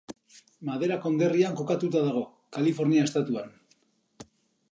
Madera konderrian kokatuta dago, Kalifornia estatuan.